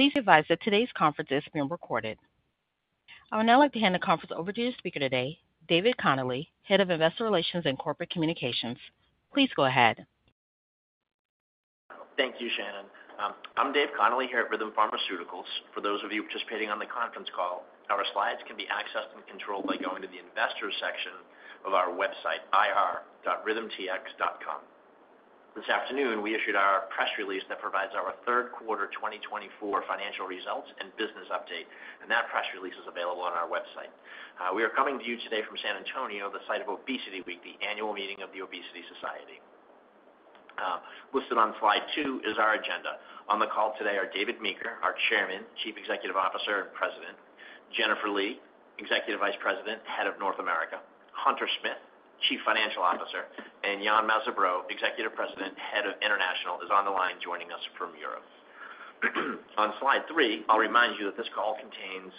Please advise that today's conference is being recorded. I would now like to hand the conference over to your speaker today, David Connolly, Head of Investor Relations and Corporate Communications. Please go ahead. Thank you, Shannon. I'm David Connolly here at Rhythm Pharmaceuticals. For those of you participating on the conference call, our slides can be accessed and controlled by going to the Investor section of our website, ir.rhythmtx.com. This afternoon, we issued our press release that provides our third quarter 2024 financial results and business update, and that press release is available on our website. We are coming to you today from San Antonio, the site of ObesityWeek, the annual meeting of The Obesity Society. Listed on slide two is our agenda. On the call today are David Meeker, our Chairman, Chief Executive Officer and President; Jennifer Lee, Executive Vice President, Head of North America; Hunter Smith, Chief Financial Officer; and Yann Mazabraud, Executive Vice President, Head of International, is on the line joining us from Europe. On slide three, I'll remind you that this call contains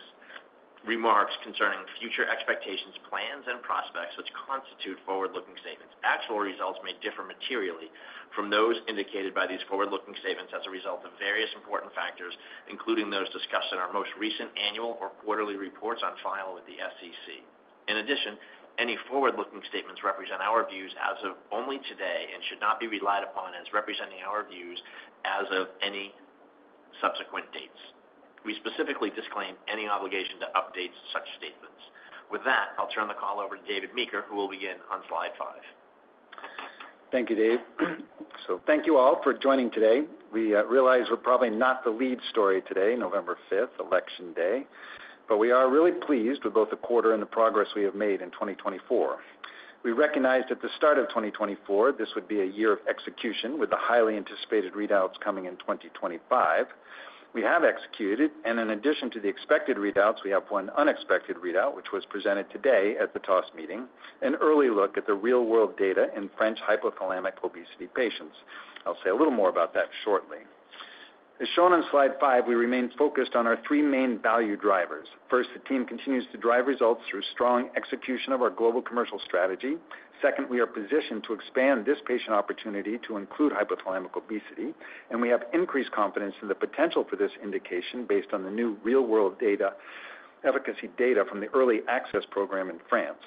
remarks concerning future expectations, plans, and prospects which constitute forward-looking statements. Actual results may differ materially from those indicated by these forward-looking statements as a result of various important factors, including those discussed in our most recent annual or quarterly reports on file with the SEC. In addition, any forward-looking statements represent our views as of only today and should not be relied upon as representing our views as of any subsequent dates. We specifically disclaim any obligation to update such statements. With that, I'll turn the call over to David Meeker, who will begin on slide five. Thank you, Dave. So thank you all for joining today. We realize we're probably not the lead story today, November 5th, Election Day, but we are really pleased with both the quarter and the progress we have made in 2024. We recognized at the start of 2024 this would be a year of execution with the highly anticipated readouts coming in 2025. We have executed it, and in addition to the expected readouts, we have one unexpected readout which was presented today at the TOS meeting, an early look at the real-world data in French hypothalamic obesity patients. I'll say a little more about that shortly. As shown on slide five, we remain focused on our three main value drivers. First, the team continues to drive results through strong execution of our global commercial strategy. Second, we are positioned to expand this patient opportunity to include hypothalamic obesity, and we have increased confidence in the potential for this indication based on the new real-world efficacy data from the early access program in France.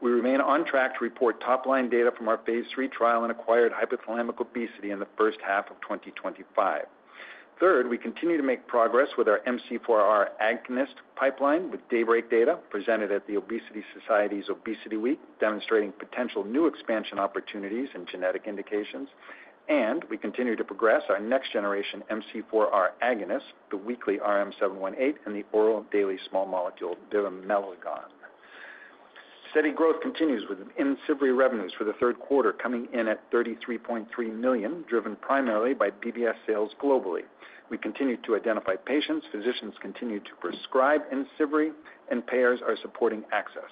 We remain on track to report top-line data from our phase 3 trial and acquired hypothalamic obesity in the first half of 2025. Third, we continue to make progress with our MC4R agonist pipeline with DAYBREAK data presented at the Obesity Society's ObesityWeek, demonstrating potential new expansion opportunities and genetic indications. And we continue to progress our next-generation MC4R agonist, the weekly RM-718, and the oral daily small molecule bivamelagon. Steady growth continues with Imcivree revenues for the third quarter coming in at $33.3 million, driven primarily by BBS sales globally. We continue to identify patients, physicians continue to prescribe Imcivree, and payers are supporting access.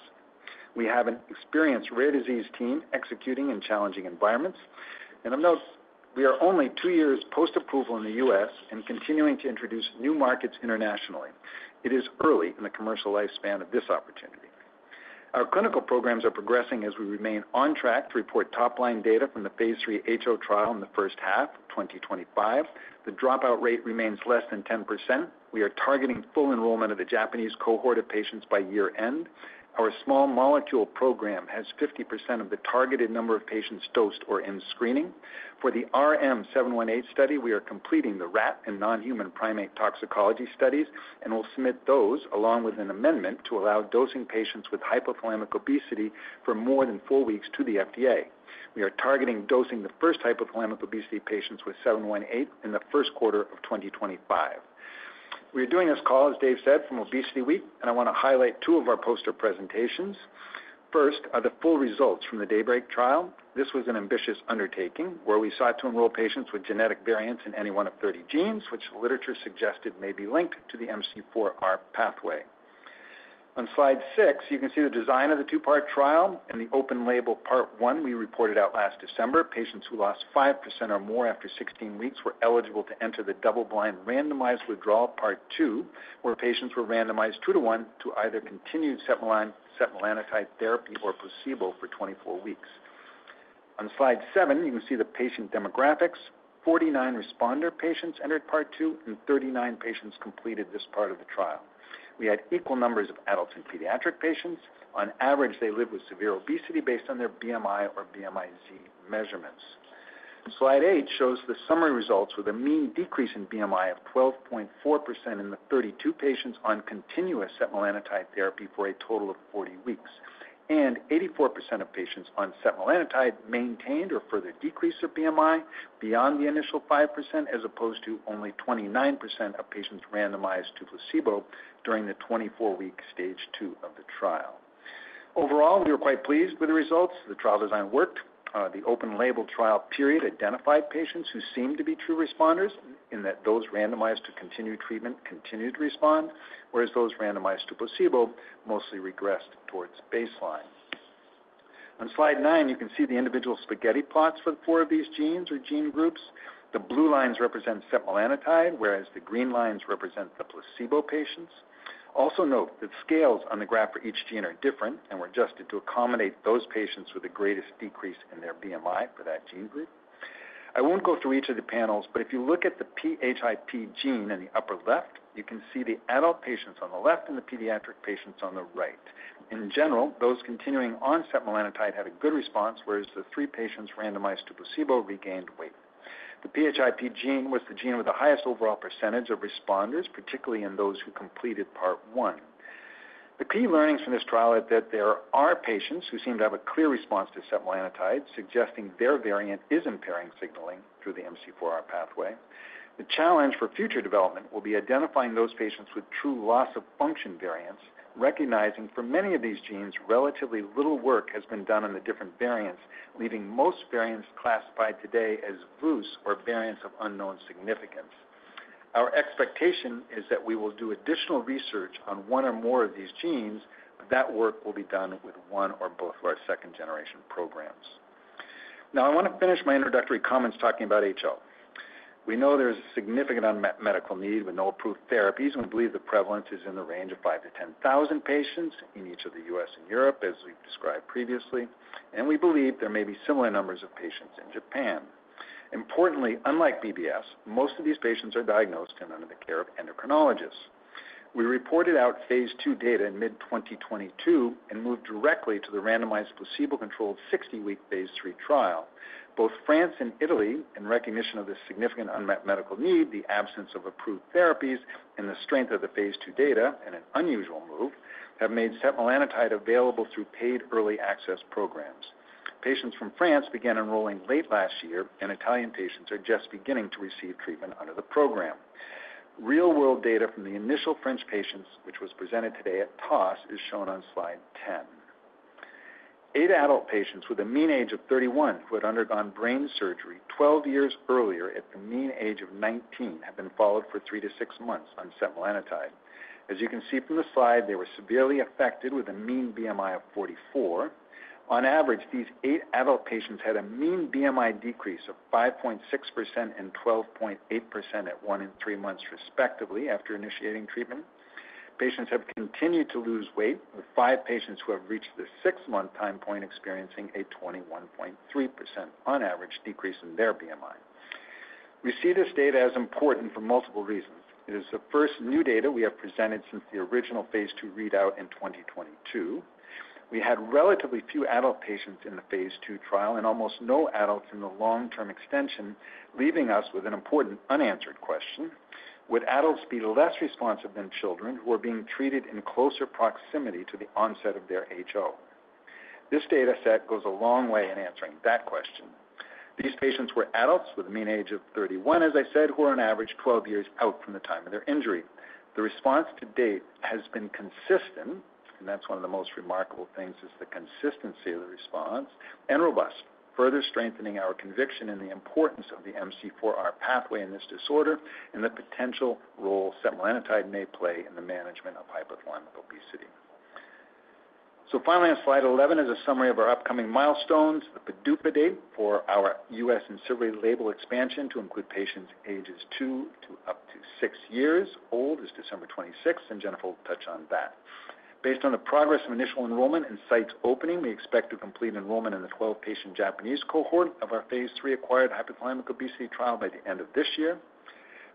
We have an experienced rare disease team executing in challenging environments, and of note, we are only two years post-approval in the U.S. and continuing to introduce new markets internationally. It is early in the commercial lifespan of this opportunity. Our clinical programs are progressing as we remain on track to report top-line data from the phase 3 HO trial in the first half of 2025. The dropout rate remains less than 10%. We are targeting full enrollment of the Japanese cohort of patients by year-end. Our small molecule program has 50% of the targeted number of patients dosed or in screening. For the RM-718 study, we are completing the rat and non-human primate toxicology studies and will submit those along with an amendment to allow dosing patients with hypothalamic obesity for more than four weeks to the FDA. We are targeting dosing the first hypothalamic obesity patients with RM-718 in the first quarter of 2025. We are doing this call, as Dave said, from ObesityWeek, and I want to highlight two of our poster presentations. First are the full results from the DAYBREAK trial. This was an ambitious undertaking where we sought to enroll patients with genetic variants in any one of 30 genes, which the literature suggested may be linked to the MC4R pathway. On slide six, you can see the design of the two-part trial and the open label part one we reported out last December. Patients who lost 5% or more after 16 weeks were eligible to enter the double-blind randomized withdrawal part two, where patients were randomized two to one to either continued setmelanotide therapy or placebo for 24 weeks. On slide seven, you can see the patient demographics. 49 responder patients entered part two and 39 patients completed this part of the trial. We had equal numbers of adults and pediatric patients. On average, they live with severe obesity based on their BMI or BMI Z measurements. Slide eight shows the summary results with a mean decrease in BMI of 12.4% in the 32 patients on continuous setmelanotide therapy for a total of 40 weeks, and 84% of patients on setmelanotide maintained or further decreased their BMI beyond the initial 5%, as opposed to only 29% of patients randomized to placebo during the 24-week stage two of the trial. Overall, we were quite pleased with the results. The trial design worked. The open label trial period identified patients who seemed to be true responders in that those randomized to continued treatment continued to respond, whereas those randomized to placebo mostly regressed towards baseline. On slide nine, you can see the individual spaghetti plots for the four of these genes or gene groups. The blue lines represent setmelanotide, whereas the green lines represent the placebo patients. Also note that scales on the graph for each gene are different and were adjusted to accommodate those patients with the greatest decrease in their BMI for that gene group. I won't go through each of the panels, but if you look at the PHIP gene in the upper left, you can see the adult patients on the left and the pediatric patients on the right. In general, those continuing on setmelanotide had a good response, whereas the three patients randomized to placebo regained weight. The PHIP gene was the gene with the highest overall percentage of responders, particularly in those who completed part one. The key learnings from this trial are that there are patients who seem to have a clear response to setmelanotide, suggesting their variant is impairing signaling through the MC4R pathway. The challenge for future development will be identifying those patients with true loss of function variants, recognizing for many of these genes relatively little work has been done on the different variants, leaving most variants classified today as VUS or variants of uncertain significance. Our expectation is that we will do additional research on one or more of these genes. That work will be done with one or both of our second-generation programs. Now, I want to finish my introductory comments talking about HO. We know there is a significant unmet medical need with no approved therapies, and we believe the prevalence is in the range of 5,000-10,000 patients in each of the U.S. and Europe, as we've described previously, and we believe there may be similar numbers of patients in Japan. Importantly, unlike BBS, most of these patients are diagnosed and under the care of endocrinologists. We reported out phase two data in mid-2022 and moved directly to the randomized placebo-controlled 60-week phase three trial. Both France and Italy, in recognition of the significant unmet medical need, the absence of approved therapies, and the strength of the phase two data, and an unusual move, have made setmelanotide available through paid early access programs. Patients from France began enrolling late last year, and Italian patients are just beginning to receive treatment under the program. Real-world data from the initial French patients, which was presented today at TOS, is shown on slide 10. Eight adult patients with a mean age of 31 who had undergone brain surgery 12 years earlier at the mean age of 19 have been followed for three to six months on setmelanotide. As you can see from the slide, they were severely affected with a mean BMI of 44. On average, these eight adult patients had a mean BMI decrease of 5.6% and 12.8% at one and three months, respectively, after initiating treatment. Patients have continued to lose weight, with five patients who have reached the six-month time point experiencing a 21.3% on average decrease in their BMI. We see this data as important for multiple reasons. It is the first new data we have presented since the original phase two readout in 2022. We had relatively few adult patients in the phase 2 trial and almost no adults in the long-term extension, leaving us with an important unanswered question: would adults be less responsive than children who are being treated in closer proximity to the onset of their HO? This data set goes a long way in answering that question. These patients were adults with a mean age of 31, as I said, who are on average 12 years out from the time of their injury. The response to date has been consistent, and that's one of the most remarkable things: the consistency of the response and robust, further strengthening our conviction in the importance of the MC4R pathway in this disorder and the potential role setmelanotide may play in the management of hypothalamic obesity. So finally, on slide 11 is a summary of our upcoming milestones. The PDUFA date for our U.S. Imcivree label expansion to include patients ages two to up to six years old is December 26th, and Jennifer will touch on that. Based on the progress of initial enrollment and sites opening, we expect to complete enrollment in the 12-patient Japanese cohort of our phase 3 acquired hypothalamic obesity trial by the end of this year.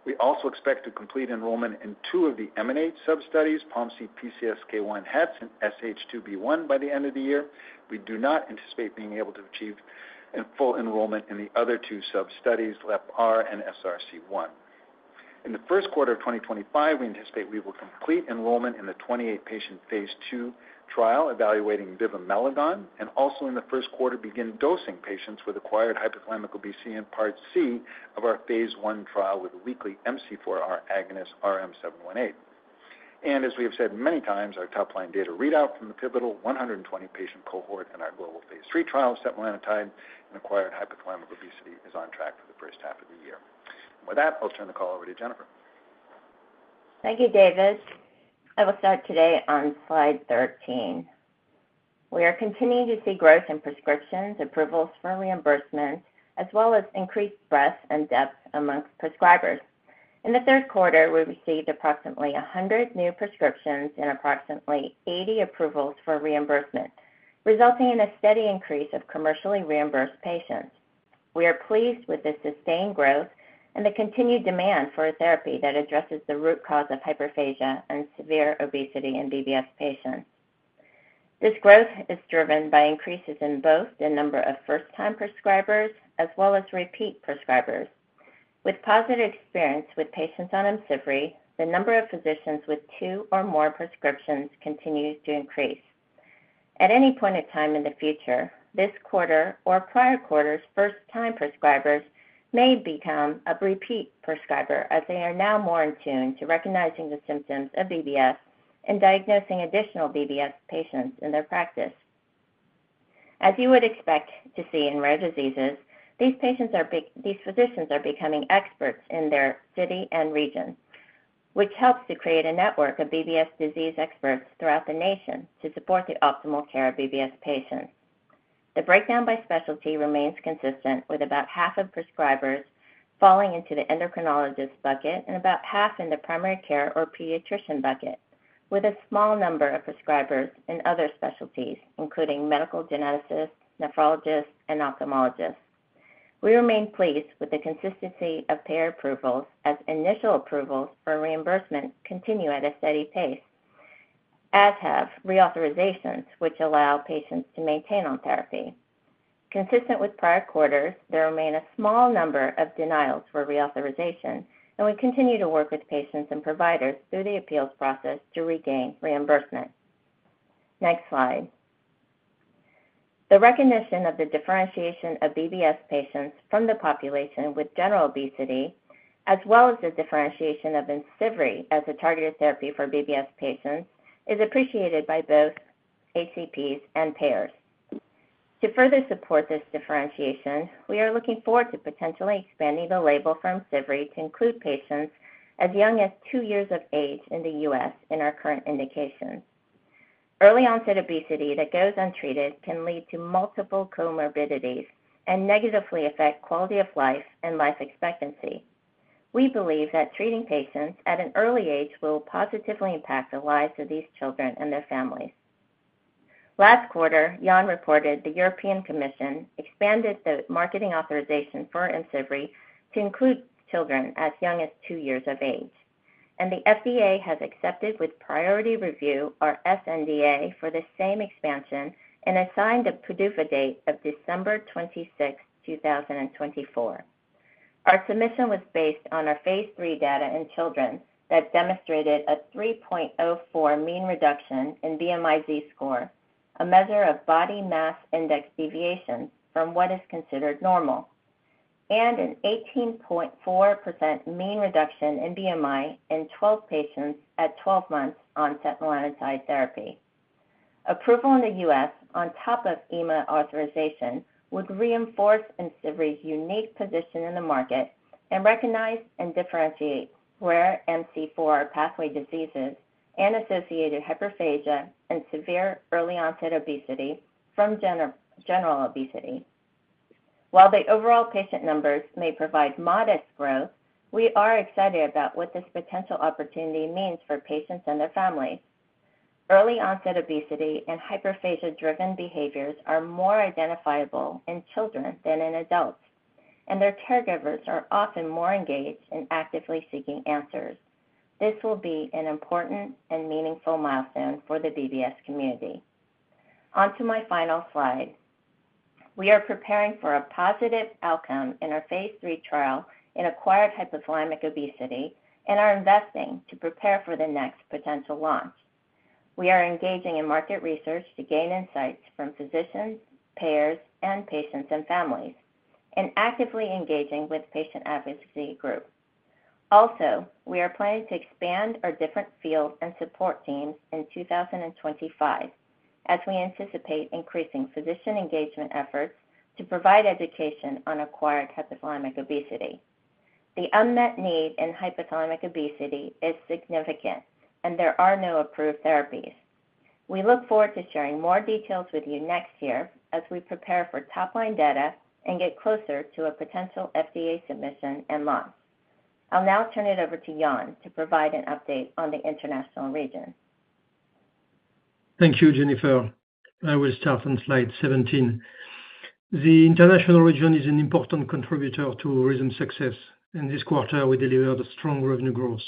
We also expect to complete enrollment in two of the EMANATE sub-studies, POMC, PCSK1, Hets, and SH2B1 by the end of the year. We do not anticipate being able to achieve full enrollment in the other two sub-studies, LEPR and SRC1. In the first quarter of 2025, we anticipate we will complete enrollment in the 28-patient phase 2 trial evaluating bivamelagon, and also in the first quarter, begin dosing patients with acquired hypothalamic obesity in part C of our phase 1 trial with weekly MC4R agonist RM-718. And as we have said many times, our top-line data readout from the pivotal 120-patient cohort and our global phase 3 trial of setmelanotide in acquired hypothalamic obesity is on track for the first half of the year. With that, I'll turn the call over to Jennifer. Thank you, David. I will start today on slide 13. We are continuing to see growth in prescriptions, approvals for reimbursement, as well as increased breadth and depth among prescribers. In the third quarter, we received approximately 100 new prescriptions and approximately 80 approvals for reimbursement, resulting in a steady increase of commercially reimbursed patients. We are pleased with the sustained growth and the continued demand for a therapy that addresses the root cause of hyperphagia and severe obesity in BBS patients. This growth is driven by increases in both the number of first-time prescribers as well as repeat prescribers. With positive experience with patients on Imcivree, the number of physicians with two or more prescriptions continues to increase. At any point in time in the future, this quarter or prior quarter's first-time prescribers may become a repeat prescriber, as they are now more in tune to recognizing the symptoms of BBS and diagnosing additional BBS patients in their practice. As you would expect to see in rare diseases, these patients are, these physicians are becoming experts in their city and region, which helps to create a network of BBS disease experts throughout the nation to support the optimal care of BBS patients. The breakdown by specialty remains consistent, with about half of prescribers falling into the endocrinologist bucket and about half in the primary care or pediatrician bucket, with a small number of prescribers in other specialties, including medical geneticists, nephrologists, and ophthalmologists. We remain pleased with the consistency of payer approvals, as initial approvals for reimbursement continue at a steady pace, as have reauthorizations, which allow patients to maintain on therapy. Consistent with prior quarters, there remain a small number of denials for reauthorization, and we continue to work with patients and providers through the appeals process to regain reimbursement. Next slide. The recognition of the differentiation of BBS patients from the population with general obesity, as well as the differentiation of Imcivree as a targeted therapy for BBS patients, is appreciated by both HCPs and payers. To further support this differentiation, we are looking forward to potentially expanding the label for Imcivree to include patients as young as two years of age in the U.S. in our current indication. Early onset obesity that goes untreated can lead to multiple comorbidities and negatively affect quality of life and life expectancy. We believe that treating patients at an early age will positively impact the lives of these children and their families. Last quarter, Rhythm reported the European Commission expanded the marketing authorization for Imcivree to include children as young as two years of age, and the FDA has accepted with priority review our sNDA for the same expansion and assigned a PDUFA date of December 26, 2024. Our submission was based on our phase 3 data in children that demonstrated a 3.04 mean reduction in BMI Z-score, a measure of body mass index deviation from what is considered normal, and an 18.4% mean reduction in BMI in 12 patients at 12 months on setmelanotide therapy. Approval in the U.S., on top of EMA authorization, would reinforce Imcivree's unique position in the market and recognize and differentiate rare MC4R pathway diseases and associated hyperphagia and severe early onset obesity from general obesity. While the overall patient numbers may provide modest growth, we are excited about what this potential opportunity means for patients and their families. Early onset obesity and hyperphagia-driven behaviors are more identifiable in children than in adults, and their caregivers are often more engaged and actively seeking answers. This will be an important and meaningful milestone for the BBS community. Onto my final slide. We are preparing for a positive outcome in our phase 3 trial in acquired hypothalamic obesity and are investing to prepare for the next potential launch. We are engaging in market research to gain insights from physicians, payers, and patients and families, and actively engaging with patient advocacy groups. Also, we are planning to expand our district field and support teams in 2025, as we anticipate increasing physician engagement efforts to provide education on acquired hypothalamic obesity. The unmet need in hypothalamic obesity is significant, and there are no approved therapies. We look forward to sharing more details with you next year as we prepare for top-line data and get closer to a potential FDA submission and launch. I'll now turn it over to Yann to provide an update on the international region. Thank you, Jennifer. That was from slide 17. The international region is an important contributor to recent success, and this quarter we delivered a strong revenue growth.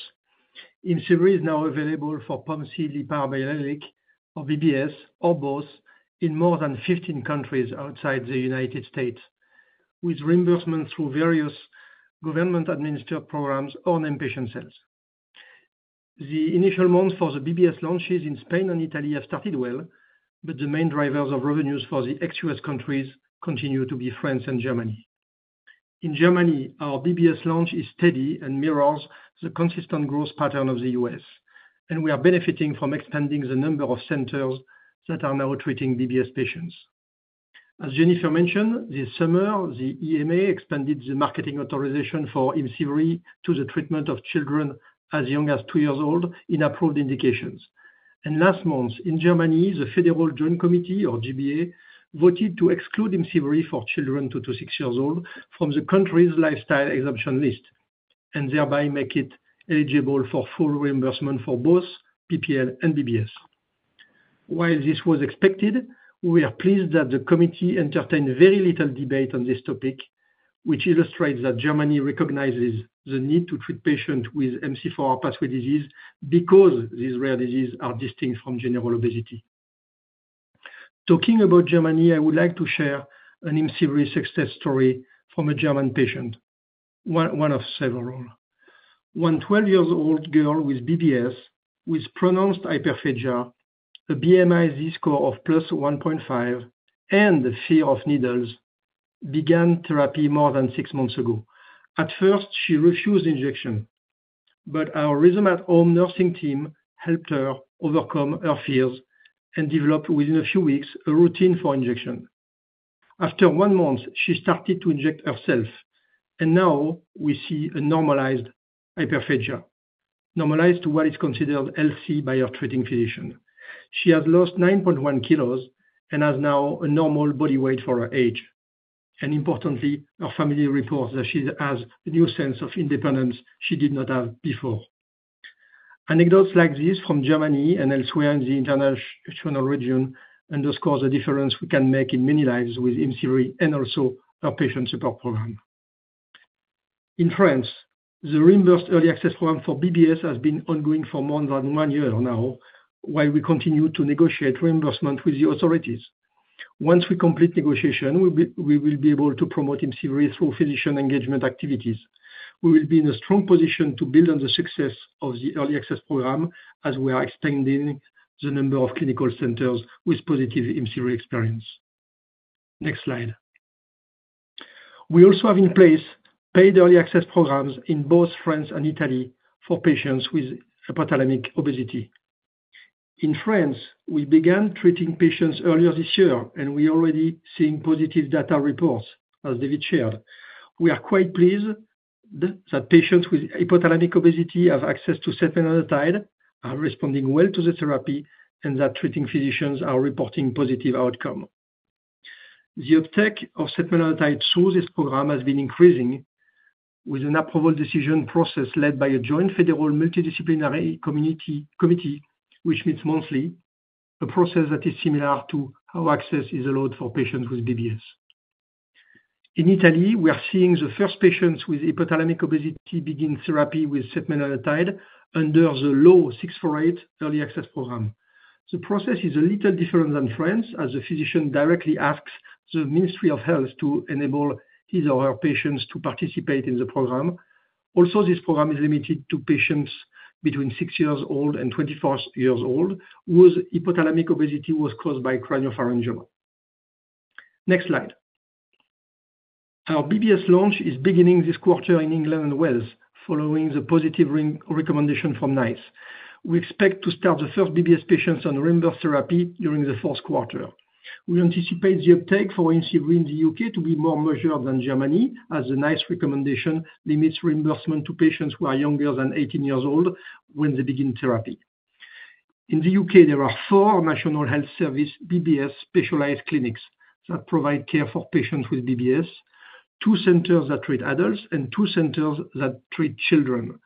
Imcivree is now available for POMC, LEPR, biallelic, or BBS, or both in more than 15 countries outside the United States, with reimbursement through various government-administered programs and patient assistance. The initial months for the BBS launches in Spain and Italy have started well, but the main drivers of revenues for the ex-U.S. countries continue to be France and Germany. In Germany, our BBS launch is steady and mirrors the consistent growth pattern of the U.S., and we are benefiting from expanding the number of centers that are now treating BBS patients. As Jennifer mentioned, this summer, the EMA expanded the marketing authorization for Imcivree to the treatment of children as young as two years old in approved indications. Last month, in Germany, the Federal Joint Committee, or G-BA, voted to exclude Imcivree for children two to six years old from the country's lifestyle exemption list and thereby make it eligible for full reimbursement for both PPL and BBS. While this was expected, we are pleased that the committee entertained very little debate on this topic, which illustrates that Germany recognizes the need to treat patients with MC4R pathway disease because these rare diseases are distinct from general obesity. Talking about Germany, I would like to share an Imcivree success story from a German patient, one of several. One 12-year-old girl with BBS with pronounced hyperphagia, a BMI Z-score of plus 1.5, and the fear of needles began therapy more than six months ago. At first, she refused injection, but our resident at-home nursing team helped her overcome her fears and developed, within a few weeks, a routine for injection. After one month, she started to inject herself, and now we see a normalized hyperphagia, normalized to what is considered healthy by her treating physician. She has lost 9.1 kilos and has now a normal body weight for her age. And importantly, her family reports that she has a new sense of independence she did not have before. Anecdotes like these from Germany and elsewhere in the international region underscore the difference we can make in many lives with Imcivree and also our patient support program. In France, the reimbursed early access program for BBS has been ongoing for more than one year now, while we continue to negotiate reimbursement with the authorities. Once we complete negotiation, we will be able to promote Imcivree through physician engagement activities. We will be in a strong position to build on the success of the early access program as we are expanding the number of clinical centers with positive Imcivree experience. Next slide. We also have in place paid early access programs in both France and Italy for patients with hypothalamic obesity. In France, we began treating patients earlier this year, and we are already seeing positive data reports, as David shared. We are quite pleased that patients with hypothalamic obesity have access to setmelanotide, are responding well to the therapy, and that treating physicians are reporting positive outcomes. The uptake of setmelanotide through this program has been increasing, with an approval decision process led by a joint federal multidisciplinary committee which meets monthly, a process that is similar to how access is allowed for patients with BBS. In Italy, we are seeing the first patients with hypothalamic obesity begin therapy with setmelanotide under the Law 648 early access program. The process is a little different than France, as the physician directly asks the Ministry of Health to enable his or her patients to participate in the program. Also, this program is limited to patients between six years old and 24 years old whose hypothalamic obesity was caused by craniopharyngioma. Next slide. Our BBS launch is beginning this quarter in England and Wales, following the positive recommendation from NICE. We expect to start the first BBS patients on reimbursed therapy during the fourth quarter. We anticipate the uptake for Imcivree in the U.K. to be more measured than Germany, as the NICE recommendation limits reimbursement to patients who are younger than 18 years old when they begin therapy. In the U.K., there are four National Health Service BBS specialized clinics that provide care for patients with BBS, two centers that treat adults, and two centers that treat children.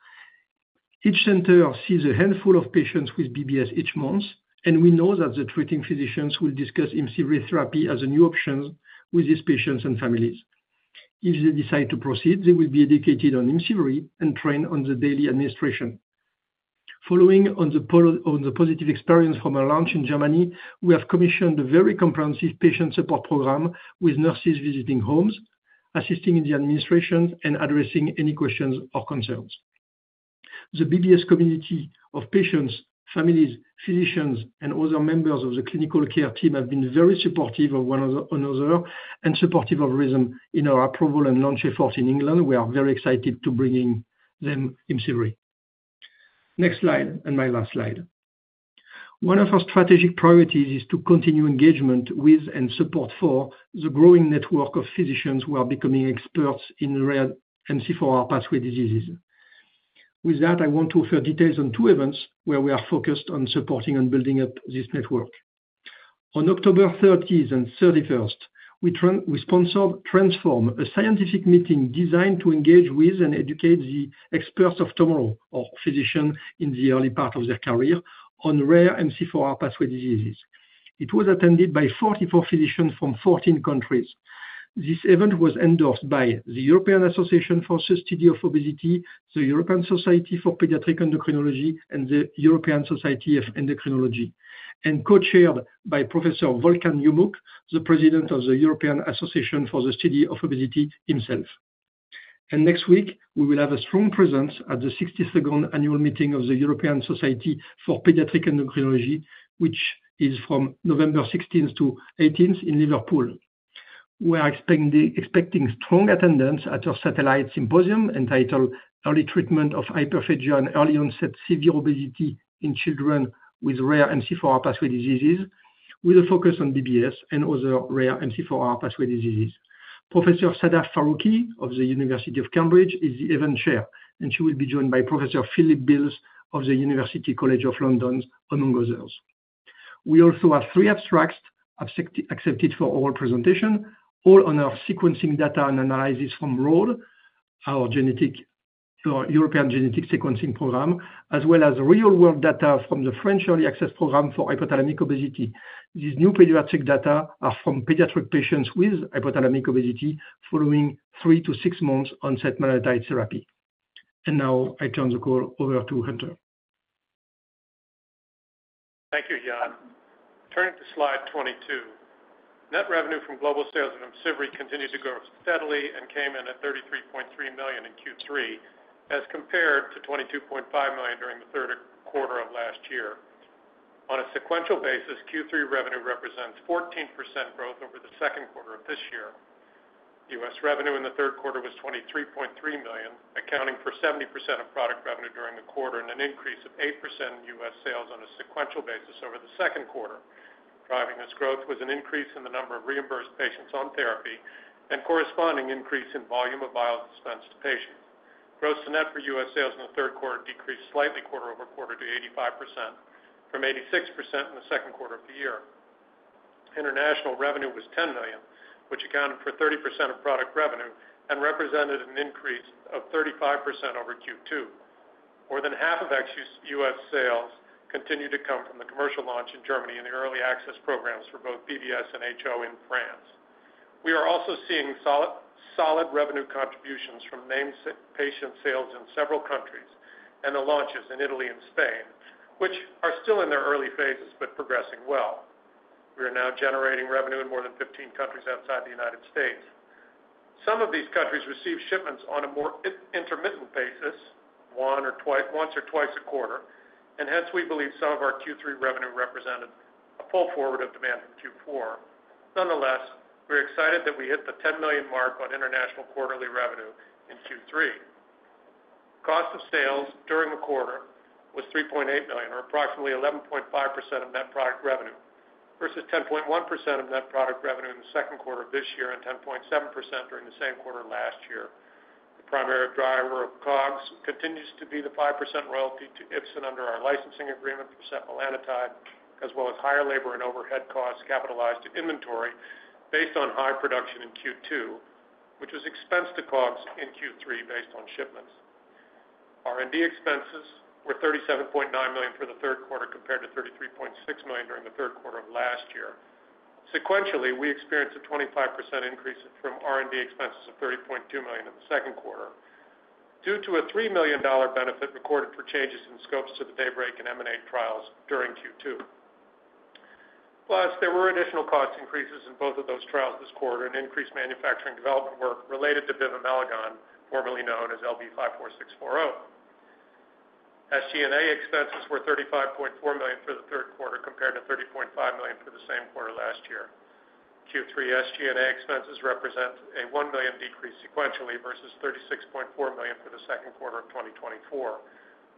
Each center sees a handful of patients with BBS each month, and we know that the treating physicians will discuss Imcivree therapy as a new option with these patients and families. If they decide to proceed, they will be educated on Imcivree and trained on the daily administration. Following on the positive experience from our launch in Germany, we have commissioned a very comprehensive patient support program with nurses visiting homes, assisting in the administration, and addressing any questions or concerns. The BBS community of patients, families, physicians, and other members of the clinical care team have been very supportive of one another and supportive of Rhythm in our approval and launch efforts in England. We are very excited to bring Imcivree to them. Next slide, and my last slide. One of our strategic priorities is to continue engagement with and support for the growing network of physicians who are becoming experts in rare MC4R pathway diseases. With that, I want to offer details on two events where we are focused on supporting and building up this network. On October 30 and 31, we sponsored TRANSFORM, a scientific meeting designed to engage with and educate the experts of tomorrow, or physicians in the early part of their career, on rare MC4R pathway diseases. It was attended by 44 physicians from 14 countries. This event was endorsed by the European Association for the Study of Obesity, the European Society for Pediatric Endocrinology, and the European Society of Endocrinology, and co-chaired by Professor Volkan Yumuk, the president of the European Association for the Study of Obesity himself, and next week, we will have a strong presence at the 62nd annual meeting of the European Society for Pediatric Endocrinology, which is from November 16 to 18 in Liverpool. We are expecting strong attendance at our satellite symposium entitled "Early Treatment of Hyperphagia and Early Onset Severe Obesity in Children with Rare MC4R Pathway Diseases," with a focus on BBS and other rare MC4R pathway diseases. Professor Sadaf Farooqi of the University of Cambridge is the event chair, and she will be joined by Professor Philip Beales of the University College London, among others. We also have three abstracts accepted for oral presentation, all on our sequencing data and analysis from GO-ID, our European Genetic Sequencing Program, as well as real-world data from the French Early Access Program for hypothalamic obesity. These new pediatric data are from pediatric patients with hypothalamic obesity following three to six months on setmelanotide therapy. And now I turn the call over to Hunter. Thank you, Yann. Turning to slide 22, net revenue from global sales of Imcivree continued to grow steadily and came in at $33.3 million in Q3, as compared to $22.5 million during the third quarter of last year. On a sequential basis, Q3 revenue represents 14% growth over the second quarter of this year. U.S. revenue in the third quarter was $23.3 million, accounting for 70% of product revenue during the quarter and an increase of 8% in U.S. sales on a sequential basis over the second quarter. Driving this growth was an increase in the number of reimbursed patients on therapy and corresponding increase in volume of vials dispensed to patients. Gross to net for U.S. sales in the third quarter decreased slightly quarter over quarter to 85%, from 86% in the second quarter of the year. International revenue was $10 million, which accounted for 30% of product revenue and represented an increase of 35% over Q2. More than half of our sales continued to come from the commercial launch in Germany and the early access programs for both BBS and HO in France. We are also seeing solid revenue contributions from named patient sales in several countries and the launches in Italy and Spain, which are still in their early phases but progressing well. We are now generating revenue in more than 15 countries outside the United States. Some of these countries receive shipments on a more intermittent basis, once or twice a quarter, and hence we believe some of our Q3 revenue represented a pull forward of demand from Q4. Nonetheless, we're excited that we hit the $10 million mark on international quarterly revenue in Q3. Cost of sales during the quarter was $3.8 million, or approximately 11.5% of net product revenue, versus 10.1% of net product revenue in the second quarter of this year and 10.7% during the same quarter last year. The primary driver of COGS continues to be the 5% royalty to Ipsen under our licensing agreement for setmelanotide, as well as higher labor and overhead costs capitalized to inventory based on high production in Q2, which was expensed to COGS in Q3 based on shipments. R&D expenses were $37.9 million for the third quarter compared to $33.6 million during the third quarter of last year. Sequentially, we experienced a 25% increase from R&D expenses of $30.2 million in the second quarter due to a $3 million benefit recorded for changes in scopes to the DAYBREAK and EMANATE trials during Q2. Plus, there were additional cost increases in both of those trials this quarter and increased manufacturing development work related to bivamelagon, formerly known as LB54640. SG&A expenses were $35.4 million for the third quarter compared to $30.5 million for the same quarter last year. Q3 SG&A expenses represent a $1 million decrease sequentially versus $36.4 million for the second quarter of 2024.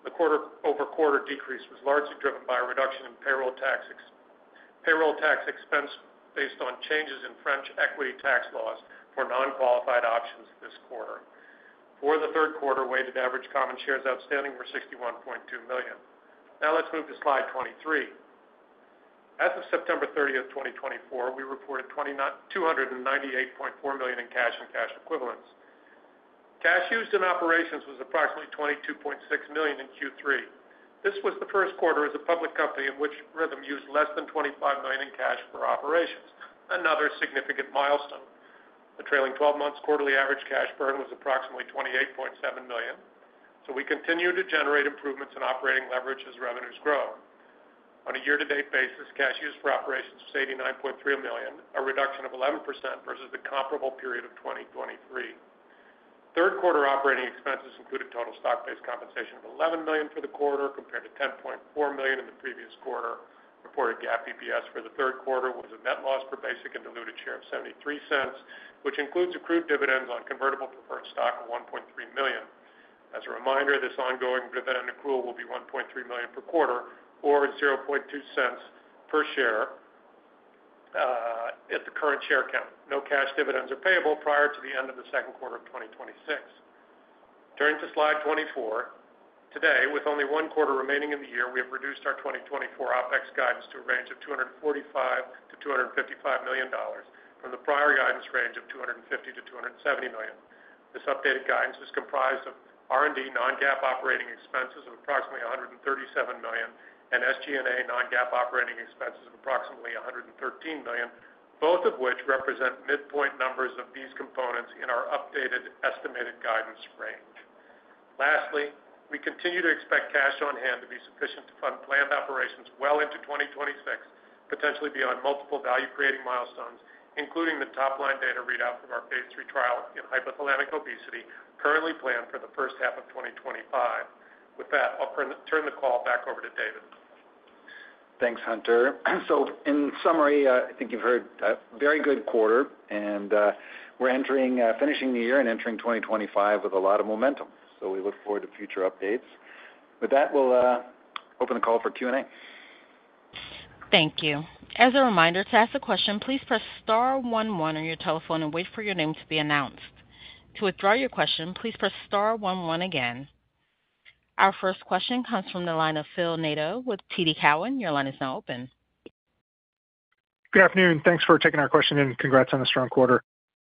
The quarter-over-quarter decrease was largely driven by a reduction in payroll tax expense based on changes in French equity tax laws for non-qualified options this quarter. For the third quarter, weighted average common shares outstanding were 61.2 million. Now let's move to slide 23. As of September 30, 2024, we reported $298.4 million in cash and cash equivalents. Cash used in operations was approximately $22.6 million in Q3. This was the first quarter as a public company in which Rhythm used less than $25 million in cash for operations, another significant milestone. The trailing 12 months' quarterly average cash burn was approximately $28.7 million, so we continue to generate improvements in operating leverage as revenues grow. On a year-to-date basis, cash used for operations was $89.3 million, a reduction of 11% versus the comparable period of 2023. Third quarter operating expenses included total stock-based compensation of $11 million for the quarter compared to $10.4 million in the previous quarter. Reported GAAP EPS for the third quarter was a net loss per basic and diluted share of $0.73, which includes accrued dividends on convertible preferred stock of $1.3 million. As a reminder, this ongoing dividend accrual will be $1.3 million per quarter or $0.002 per share at the current share count. No cash dividends are payable prior to the end of the second quarter of 2026. Turning to slide 24, today, with only one quarter remaining in the year, we have reduced our 2024 OpEx guidance to a range of $245 million-$255 million from the prior guidance range of $250 million-$270 million. This updated guidance is comprised of R&D non-GAAP operating expenses of approximately $137 million and SG&A non-GAAP operating expenses of approximately $113 million, both of which represent midpoint numbers of these components in our updated estimated guidance range. Lastly, we continue to expect cash on hand to be sufficient to fund planned operations well into 2026, potentially beyond multiple value-creating milestones, including the top-line data readout from our phase 3 trial in hypothalamic obesity currently planned for the first half of 2025. With that, I'll turn the call back over to David. Thanks, Hunter. So in summary, I think you've heard a very good quarter, and we're finishing the year and entering 2025 with a lot of momentum, so we look forward to future updates. With that, we'll open the call for Q&A. Thank you. As a reminder, to ask a question, please press star 11 on your telephone and wait for your name to be announced. To withdraw your question, please press star 11 again. Our first question comes from the line of Phil Nadeau with TD Cowen. Your line is now open. Good afternoon. Thanks for taking our question in. Congrats on a strong quarter.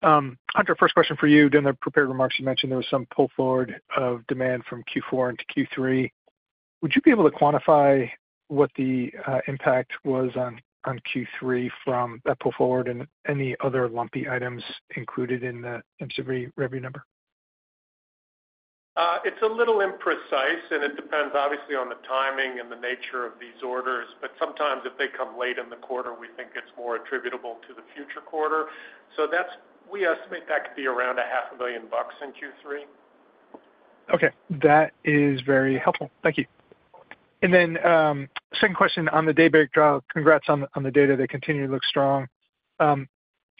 Hunter, first question for you. During the prepared remarks, you mentioned there was some pull forward of demand from Q4 into Q3. Would you be able to quantify what the impact was on Q3 from that pull forward and any other lumpy items included in the Imcivree revenue number? It's a little imprecise, and it depends obviously on the timing and the nature of these orders, but sometimes if they come late in the quarter, we think it's more attributable to the future quarter. So we estimate that could be around $500,000 in Q3. Okay. That is very helpful. Thank you. And then second question on the DAYBREAK trial, congrats on the data. They continue to look strong.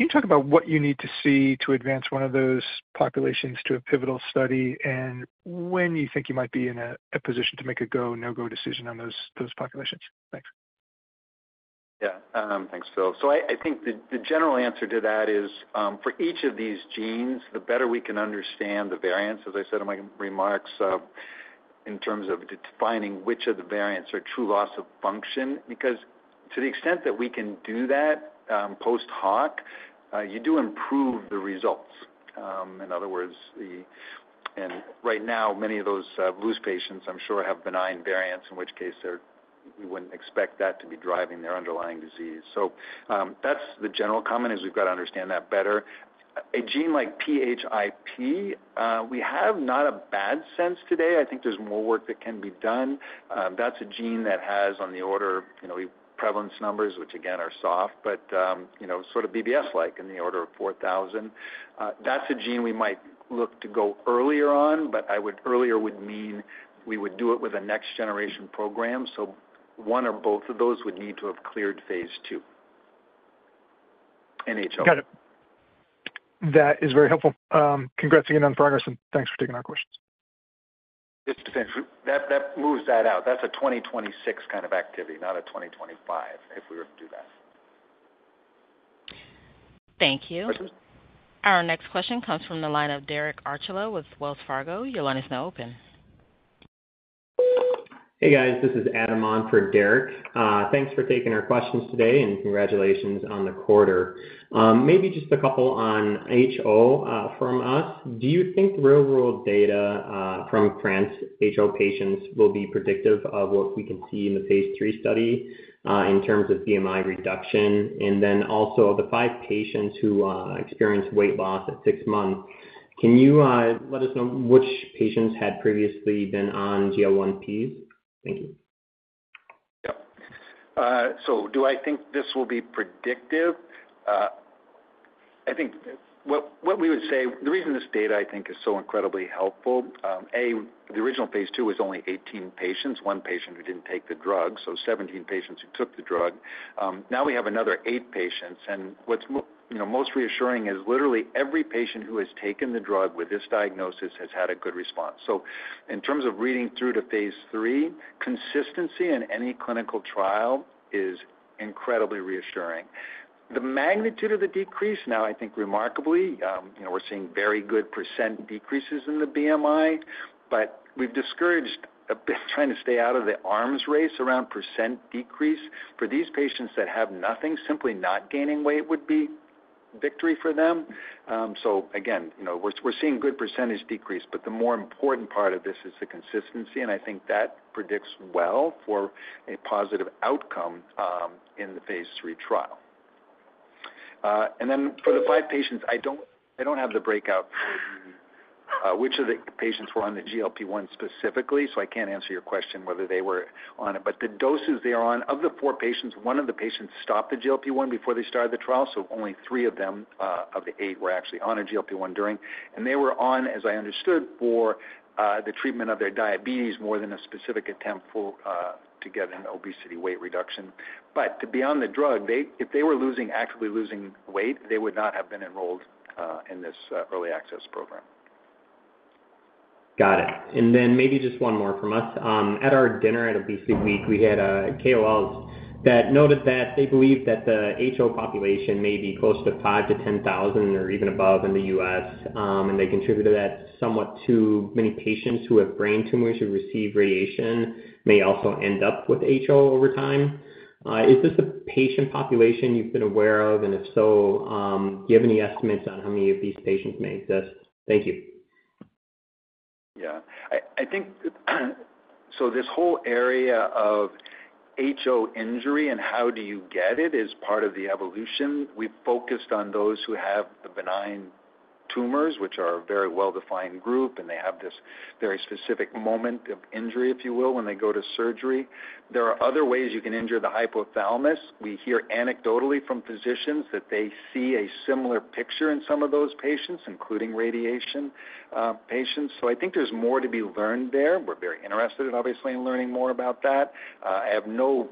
Can you talk about what you need to see to advance one of those populations to a pivotal study and when you think you might be in a position to make a go, no-go decision on those populations? Thanks. Yeah. Thanks, Phil. So I think the general answer to that is for each of these genes, the better we can understand the variants, as I said in my remarks, in terms of defining which of the variants are true loss of function, because to the extent that we can do that post hoc, you do improve the results. In other words, right now, many of those patients, I'm sure, have benign variants, in which case we wouldn't expect that to be driving their underlying disease. So that's the general comment is we've got to understand that better. A gene like PHIP, we have not a bad sense today. I think there's more work that can be done. That's a gene that has on the order of prevalence numbers, which again are soft, but sort of BBS-like in the order of 4,000. That's a gene we might look to go earlier on, but earlier would mean we would do it with a next-generation program. So one or both of those would need to have cleared phase two in HO. Got it. That is very helpful. Congrats again on the progress, and thanks for taking our questions. That moves that out. That's a 2026 kind of activity, not a 2025 if we were to do that. Thank you. Our next question comes from the line of Derek Archila with Wells Fargo. Your line is now open. Hey, guys. This is Adam Monfred, Derek. Thanks for taking our questions today, and congratulations on the quarter. Maybe just a couple on HO from us. Do you think the real-world data from France HO patients will be predictive of what we can see in the phase 3 study in terms of BMI reduction? And then also the five patients who experienced weight loss at six months, can you let us know which patients had previously been on GLP-1s? Thank you. Yeah. So do I think this will be predictive? I think what we would say, the reason this data I think is so incredibly helpful, A, the original phase 2 was only 18 patients, one patient who didn't take the drug, so 17 patients who took the drug. Now we have another eight patients, and what's most reassuring is literally every patient who has taken the drug with this diagnosis has had a good response. So in terms of reading through to phase 3, consistency in any clinical trial is incredibly reassuring. The magnitude of the decrease now, I think remarkably, we're seeing very good percent decreases in the BMI, but we've discouraged trying to stay out of the arms race around percent decrease. For these patients that have nothing, simply not gaining weight would be victory for them. Again, we're seeing good percentage decrease, but the more important part of this is the consistency, and I think that predicts well for a positive outcome in the phase three trial. Then for the five patients, I don't have the breakout for which of the patients were on the GLP-1 specifically, so I can't answer your question whether they were on it, but the doses they are on, of the four patients, one of the patients stopped the GLP-1 before they started the trial, so only three of them of the eight were actually on a GLP-1 during, and they were on, as I understood, for the treatment of their diabetes more than a specific attempt to get an obesity weight reduction. To be on the drug, if they were actively losing weight, they would not have been enrolled in this early access program. Got it. And then maybe just one more from us. At our dinner at ObesityWeek, we had KOLs that noted that they believe that the HO population may be close to five to 10,000 or even above in the U.S., and they attributed that somewhat to many patients who have brain tumors who receive radiation may also end up with HO over time. Is this a patient population you've been aware of, and if so, do you have any estimates on how many of these patients may exist? Thank you. Yeah. So this whole area of HO injury and how do you get it is part of the evolution. We've focused on those who have the benign tumors, which are a very well-defined group, and they have this very specific moment of injury, if you will, when they go to surgery. There are other ways you can injure the hypothalamus. We hear anecdotally from physicians that they see a similar picture in some of those patients, including radiation patients. So I think there's more to be learned there. We're very interested, obviously, in learning more about that. I have no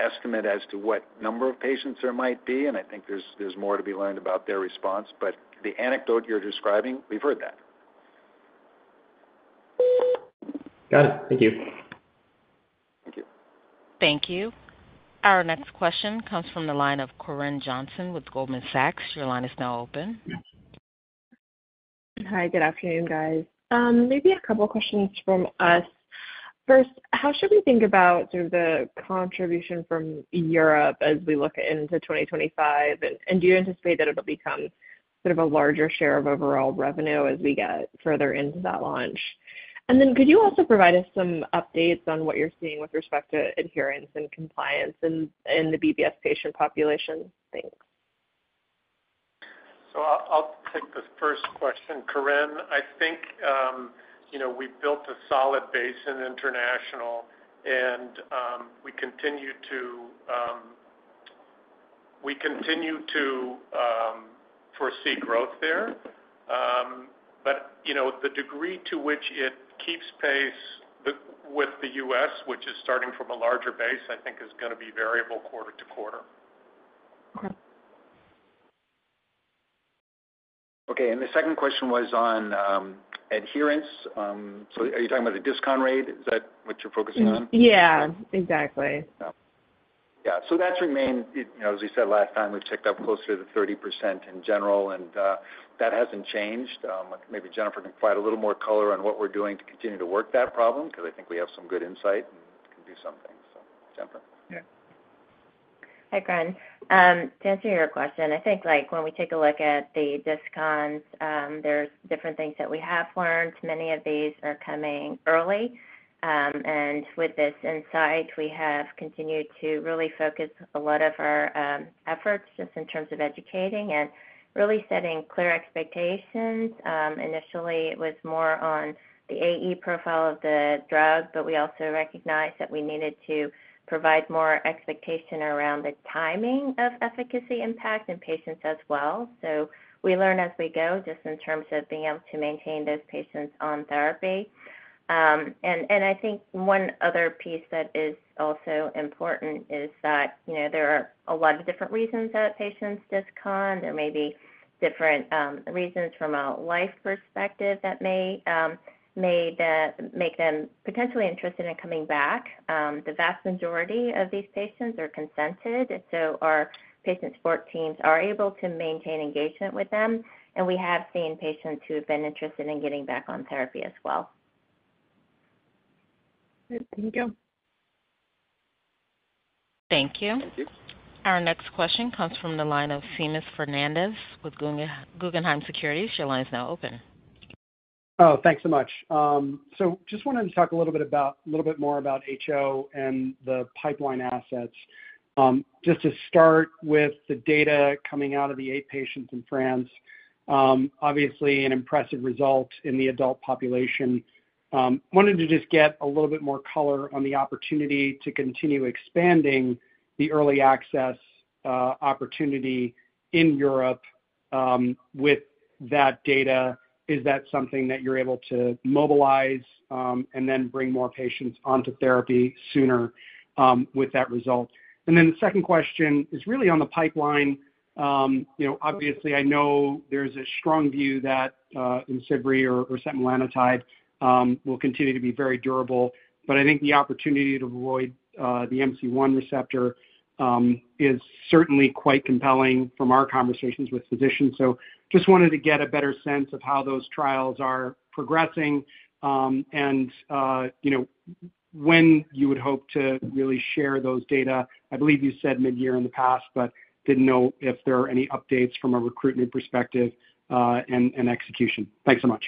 estimate as to what number of patients there might be, and I think there's more to be learned about their response, but the anecdote you're describing, we've heard that. Got it. Thank you. Thank you. Thank you. Our next question comes from the line of Corinne Jenkins with Goldman Sachs. Your line is now open. Hi, good afternoon, guys. Maybe a couple of questions from us. First, how should we think about the contribution from Europe as we look into 2025, and do you anticipate that it'll become sort of a larger share of overall revenue as we get further into that launch? And then could you also provide us some updates on what you're seeing with respect to adherence and compliance in the BBS patient population? Thanks. So I'll take the first question, Corinne. I think we built a solid base in international, and we continue to foresee growth there, but the degree to which it keeps pace with the U.S., which is starting from a larger base, I think is going to be variable quarter to quarter. Okay. And the second question was on adherence. So are you talking about the discount rate? Is that what you're focusing on? Yeah. Exactly. Yeah. So that's remained, as we said last time, we've ticked up closer to the 30% in general, and that hasn't changed. Maybe Jennifer can provide a little more color on what we're doing to continue to work that problem because I think we have some good insight and can do something. So Jennifer. Hi, Corinne. To answer your question, I think when we take a look at the discounts, there's different things that we have learned. Many of these are coming early, and with this insight, we have continued to really focus a lot of our efforts just in terms of educating and really setting clear expectations. Initially, it was more on the AE profile of the drug, but we also recognized that we needed to provide more expectation around the timing of efficacy impact in patients as well. So we learn as we go just in terms of being able to maintain those patients on therapy. And I think one other piece that is also important is that there are a lot of different reasons that patients discount. There may be different reasons from a life perspective that may make them potentially interested in coming back. The vast majority of these patients are consented, so our patient support teams are able to maintain engagement with them, and we have seen patients who have been interested in getting back on therapy as well. Thank you. Thank you. Thank you. Our next question comes from the line of Seamus Fernandez with Guggenheim Securities. Your line is now open. Oh, thanks so much. So just wanted to talk a little bit more about HO and the pipeline assets. Just to start with the data coming out of the eight patients in France, obviously an impressive result in the adult population. Wanted to just get a little bit more color on the opportunity to continue expanding the early access opportunity in Europe with that data. Is that something that you're able to mobilize and then bring more patients onto therapy sooner with that result? And then the second question is really on the pipeline. Obviously, I know there's a strong view that setmelanotide will continue to be very durable, but I think the opportunity to avoid the MC1 receptor is certainly quite compelling from our conversations with physicians. So just wanted to get a better sense of how those trials are progressing and when you would hope to really share those data. I believe you said mid-year in the past, but didn't know if there are any updates from a recruitment perspective and execution. Thanks so much.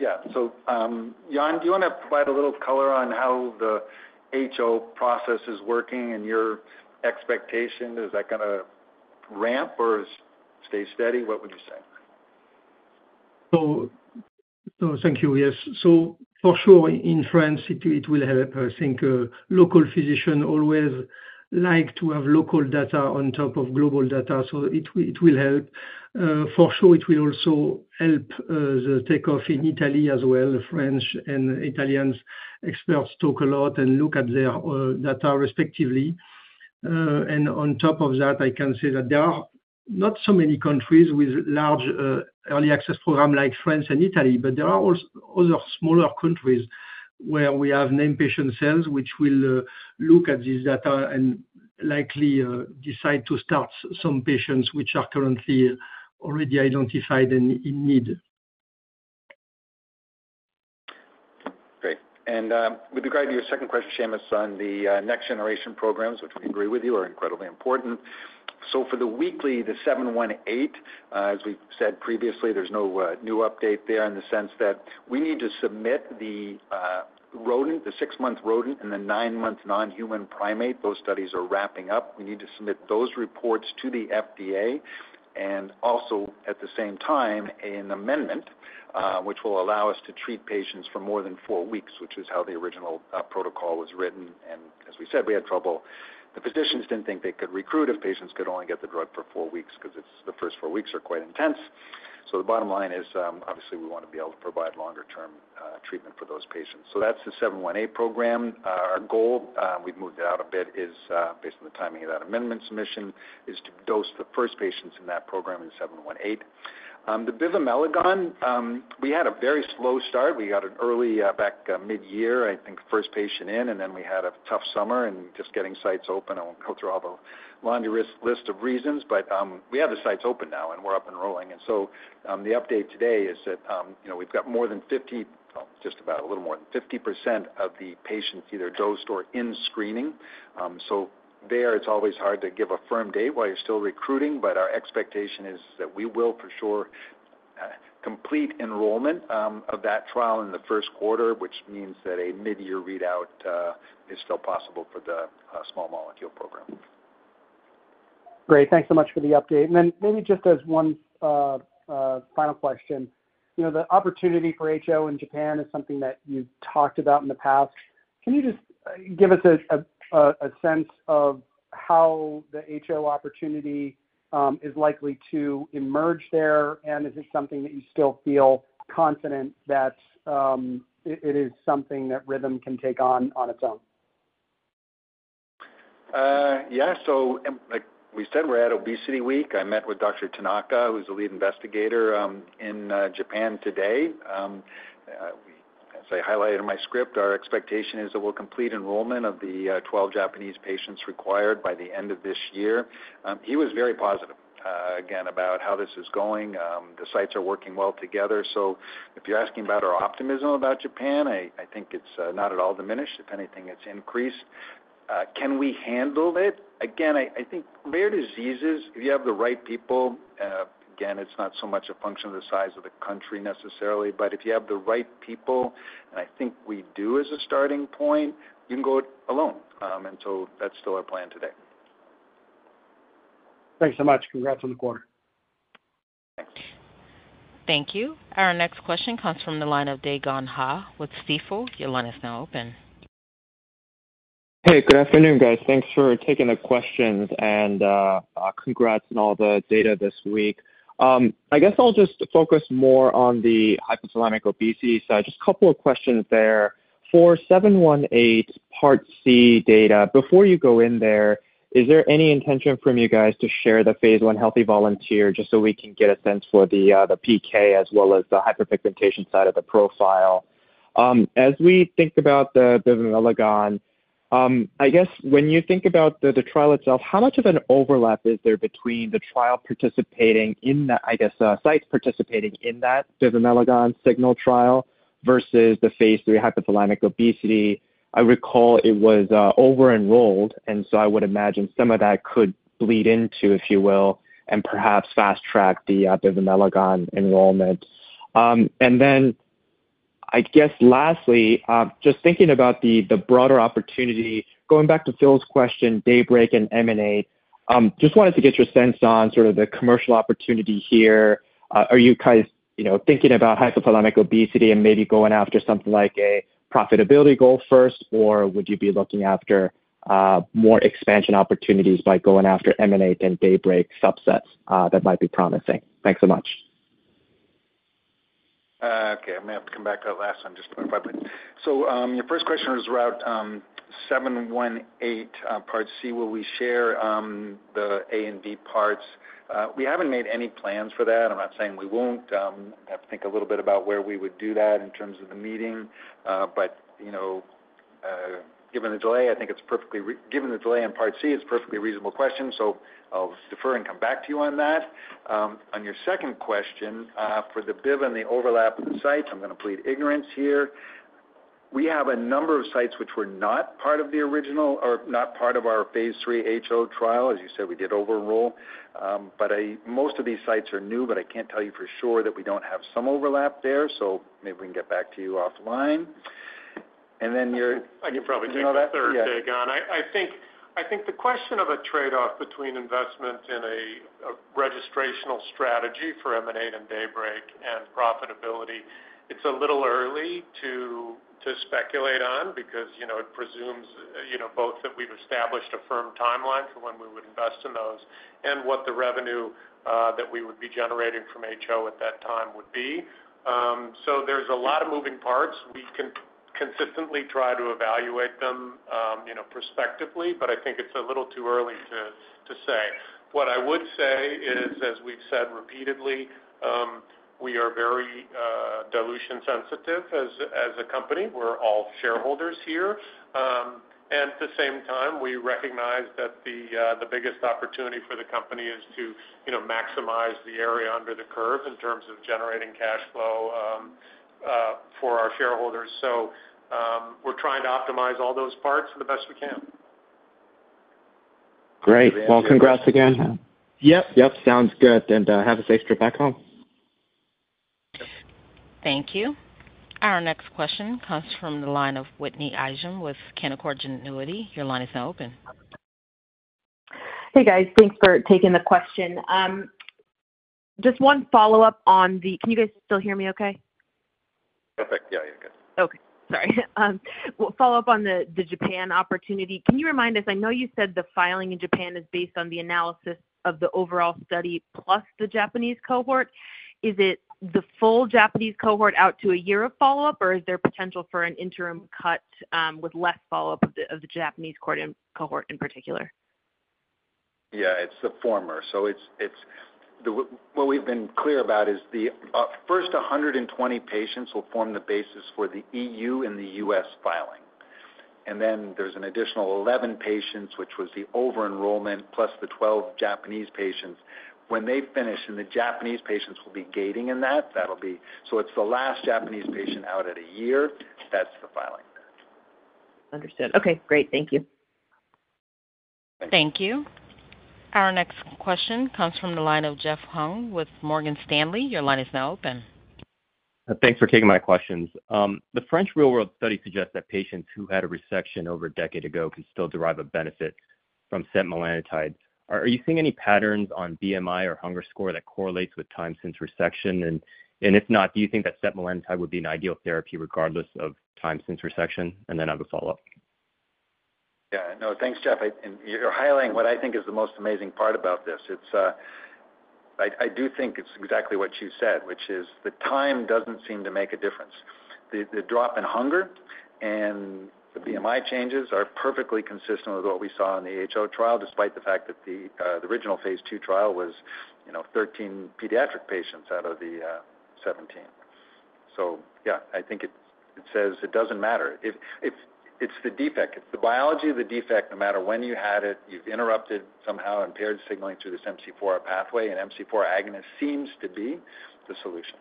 Yeah. So Yann, do you want to provide a little color on how the HO process is working and your expectation? Is that going to ramp or stay steady? What would you say? Thank you. Yes. For sure, in France, it will help. I think local physicians always like to have local data on top of global data, so it will help. For sure, it will also help the takeoff in Italy as well. French and Italian experts talk a lot and look at their data respectively. On top of that, I can say that there are not so many countries with large early access programs like France and Italy, but there are also other smaller countries where we have named patient sales which will look at this data and likely decide to start some patients which are currently already identified and in need. Great. And with regard to your second question, Seamus, on the next-generation programs, which we agree with you are incredibly important. So for the weekly, the 718, as we said previously, there's no new update there in the sense that we need to submit the rodent, the six-month rodent, and the nine-month non-human primate. Those studies are wrapping up. We need to submit those reports to the FDA and also at the same time an amendment which will allow us to treat patients for more than four weeks, which is how the original protocol was written. And as we said, we had trouble. The physicians didn't think they could recruit if patients could only get the drug for four weeks because the first four weeks are quite intense. So the bottom line is obviously we want to be able to provide longer-term treatment for those patients. So that's the 718 program. Our goal, we've moved it out a bit based on the timing of that amendment submission, is to dose the first patients in that program in 718. The bivamelagon, we had a very slow start. We got an early back mid-year, I think first patient in, and then we had a tough summer and just getting sites open. I won't go through all the laundry list of reasons, but we have the sites open now and we're up and rolling. And so the update today is that we've got more than 50, just about a little more than 50% of the patients either dosed or in screening. It's always hard to give a firm date while you're still recruiting, but our expectation is that we will for sure complete enrollment of that trial in the first quarter, which means that a mid-year readout is still possible for the small molecule program. Great. Thanks so much for the update. And then maybe just as one final question, the opportunity for HO in Japan is something that you've talked about in the past. Can you just give us a sense of how the HO opportunity is likely to emerge there, and is it something that you still feel confident that it is something that Rhythm can take on on its own? Yeah. So like we said, we're at ObesityWeek. I met with Dr. Tanaka, who's the lead investigator in Japan today. As I highlighted in my script, our expectation is that we'll complete enrollment of the 12 Japanese patients required by the end of this year. He was very positive, again, about how this is going. The sites are working well together. So if you're asking about our optimism about Japan, I think it's not at all diminished. If anything, it's increased. Can we handle it? Again, I think rare diseases, if you have the right people, again, it's not so much a function of the size of the country necessarily, but if you have the right people, and I think we do as a starting point, you can go it alone. And so that's still our plan today. Thanks so much. Congrats on the quarter. Thanks. Thank you. Our next question comes from the line of Dae Gon Ha with Stifel. Your line is now open. Hey, good afternoon, guys. Thanks for taking the questions and congrats on all the data this week. I guess I'll just focus more on the hypothalamic obesity. So just a couple of questions there. For 718, part C data, before you go in there, is there any intention from you guys to share the phase 1 healthy volunteer just so we can get a sense for the PK as well as the hyperpigmentation side of the profile? As we think about the bivamelagon, I guess when you think about the trial itself, how much of an overlap is there between the trial participating in that, I guess, sites participating in that bivamelagon signal trial versus the phase 3 hypothalamic obesity? I recall it was over-enrolled, and so I would imagine some of that could bleed into, if you will, and perhaps fast-track the bivamelagon enrollment. And then I guess lastly, just thinking about the broader opportunity, going back to Phil's question, DAYBREAK and EMANATE, just wanted to get your sense on sort of the commercial opportunity here. Are you guys thinking about hypothalamic obesity and maybe going after something like a profitability goal first, or would you be looking after more expansion opportunities by going after EMANATE and DAYBREAK subsets that might be promising? Thanks so much. Okay. I may have to come back to that last one just for a moment. So your first question was around 718, part C. Will we share the A and B parts? We haven't made any plans for that. I'm not saying we won't. I have to think a little bit about where we would do that in terms of the meeting, but given the delay in part C, I think it's a perfectly reasonable question, so I'll defer and come back to you on that. On your second question, for the BIV and the overlap of the sites, I'm going to plead ignorance here. We have a number of sites which were not part of the original or not part of our phase three HO trial. As you said, we did over-enroll, but most of these sites are new, but I can't tell you for sure that we don't have some overlap there, so maybe we can get back to you offline. And then you're. I can probably take the third, Dae Gon. I think the question of a trade-off between investment in a registrational strategy for EMANATE and DAYBREAK and profitability, it's a little early to speculate on because it presumes both that we've established a firm timeline for when we would invest in those and what the revenue that we would be generating from HO at that time would be. So there's a lot of moving parts. We can consistently try to evaluate them prospectively, but I think it's a little too early to say. What I would say is, as we've said repeatedly, we are very dilution sensitive as a company. We're all shareholders here, and at the same time, we recognize that the biggest opportunity for the company is to maximize the area under the curve in terms of generating cash flow for our shareholders. So we're trying to optimize all those parts the best we can. Great. Well, congrats again. Yep. Yep. Sounds good, and have a safe trip back home. Thank you. Our next question comes from the line of Whitney Ijem with Canaccord Genuity. Your line is now open. Hey, guys. Thanks for taking the question. Just one follow-up on the. Can you guys still hear me okay? Perfect. Yeah, you're good. Okay. Sorry. Follow-up on the Japan opportunity. Can you remind us? I know you said the filing in Japan is based on the analysis of the overall study plus the Japanese cohort. Is it the full Japanese cohort out to a year of follow-up, or is there potential for an interim cut with less follow-up of the Japanese cohort in particular? Yeah, it's the former. So what we've been clear about is the first 120 patients will form the basis for the EU and the U.S. filing. And then there's an additional 11 patients, which was the over-enrollment, plus the 12 Japanese patients. When they finish, and the Japanese patients will be gating in that, that'll be, so it's the last Japanese patient out at a year. That's the filing. Understood. Okay. Great. Thank you. Thank you. Our next question comes from the line of Jeff Hung with Morgan Stanley. Your line is now open. Thanks for taking my questions. The French real-world study suggests that patients who had a resection over a decade ago can still derive a benefit from setmelanotide. Are you seeing any patterns on BMI or hunger score that correlates with time since resection? And if not, do you think that setmelanotide would be an ideal therapy regardless of time since resection? And then I have a follow-up. Yeah. No, thanks, Jeff. You're highlighting what I think is the most amazing part about this. I do think it's exactly what you said, which is the time doesn't seem to make a difference. The drop in hunger and the BMI changes are perfectly consistent with what we saw in the HO trial, despite the fact that the original phase two trial was 13 pediatric patients out of the 17. So yeah, I think it says it doesn't matter. It's the defect. It's the biology of the defect. No matter when you had it, you've interrupted somehow impaired signaling through this MC4 pathway, and MC4 agonist seems to be the solution.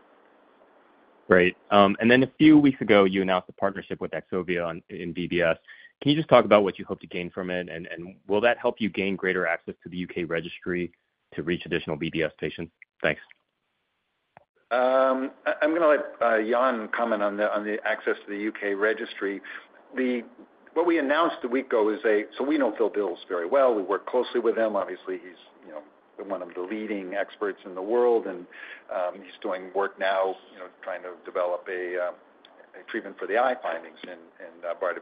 Great. And then a few weeks ago, you announced a partnership with Axovia in BBS. Can you just talk about what you hope to gain from it, and will that help you gain greater access to the UK registry to reach additional BBS patients? Thanks. I'm going to let Yann comment on the access to the UK registry. What we announced a week ago is, so we know Philip Beales very well. We work closely with him. Obviously, he's one of the leading experts in the world, and he's doing work now trying to develop a treatment for the eye findings in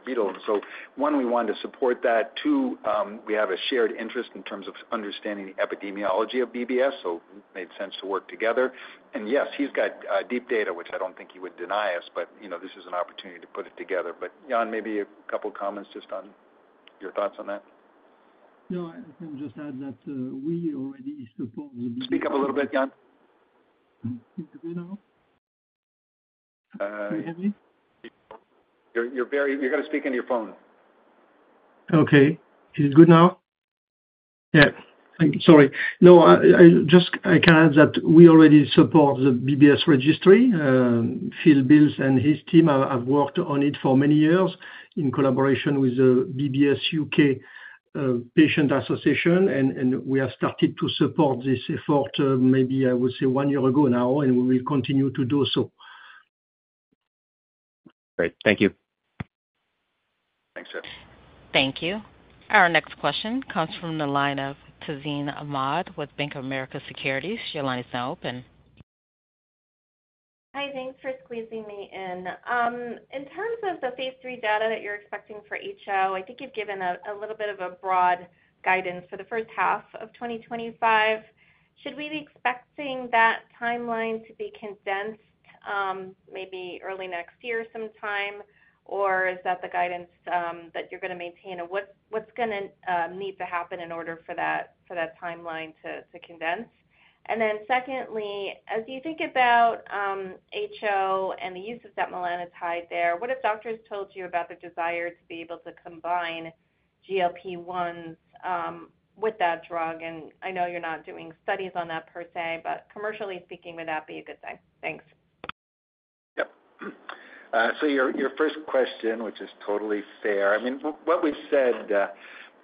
BBS. So one, we want to support that. Two, we have a shared interest in terms of understanding the epidemiology of BBS, so it made sense to work together. And yes, he's got deep data, which I don't think he would deny us, but this is an opportunity to put it together. But Yann, maybe a couple of comments just on your thoughts on that. No, I can just add that we already support. Speak up a little bit, Yann. Is it good now? You're going to speak into your phone. Okay. Is it good now? Yeah. Sorry. No, I can add that we already support the BBS registry. Philip Beales and his team have worked on it for many years in collaboration with the BBS UK Patient Association, and we have started to support this effort maybe I would say one year ago now, and we will continue to do so. Great. Thank you. Thanks, Jeff. Thank you. Our next question comes from the line of Tazeen Ahmad with Bank of America Securities. Your line is now open. Hi. Thanks for squeezing me in. In terms of the phase 3 data that you're expecting for HO, I think you've given a little bit of a broad guidance for the first half of 2025. Should we be expecting that timeline to be condensed maybe early next year sometime, or is that the guidance that you're going to maintain? What's going to need to happen in order for that timeline to condense? And then secondly, as you think about HO and the use of that setmelanotide there, what if doctors told you about the desire to be able to combine GLP-1s with that drug? And I know you're not doing studies on that per se, but commercially speaking, would that be a good thing? Thanks. Yep, so your first question, which is totally fair. I mean, what we've said,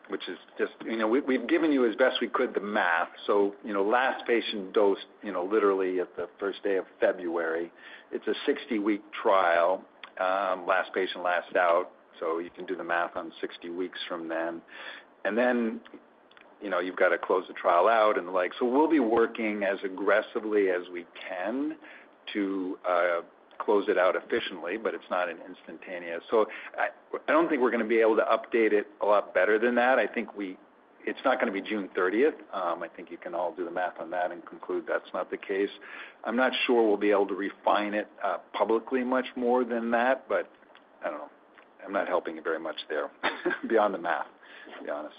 which is just we've given you as best we could the math, so last patient dosed literally at the first day of February. It's a 60-week trial. Last patient last out, so you can do the math on 60 weeks from then, and then you've got to close the trial out and the like, so we'll be working as aggressively as we can to close it out efficiently, but it's not an instantaneous, so I don't think we're going to be able to update it a lot better than that. I think it's not going to be June 30th. I think you can all do the math on that and conclude that's not the case. I'm not sure we'll be able to refine it publicly much more than that, but I don't know. I'm not helping you very much there beyond the math, to be honest.